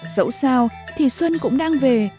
dẫu sao thì xuân cũng đang về